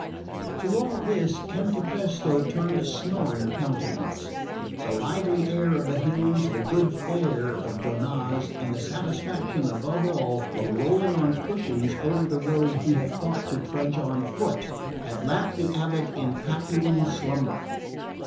To all this Cantapresto turned a snoring countenance. The lively air of the hills, the good fare of Donnaz, and the satisfaction, above all, of rolling on cushions over a road he had thought to trudge on foot, had lapped the abate in Capuan slumber.